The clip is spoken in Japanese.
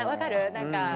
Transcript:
何か。